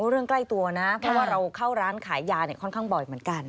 ใกล้ตัวนะเพราะว่าเราเข้าร้านขายยาเนี่ยค่อนข้างบ่อยเหมือนกัน